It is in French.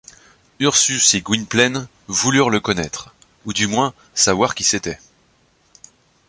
Ursus et Gwynplaine voulurent le connaître, ou du moins savoir qui c’était.